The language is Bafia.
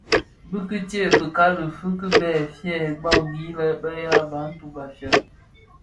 Bi kitsèè fikali fi kibèè, fyè kpaghi lè bë ya Bantu (Bafia).